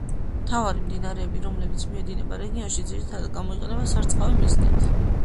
მთავარი მდინარეები რომლებიც მიედინება რეგიონში ძირითადათ გამოიყენება სარწყავი მიზნით.